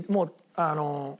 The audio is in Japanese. あの。